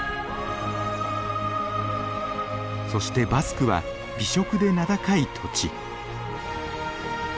そしてバスクは美食で名高い土地。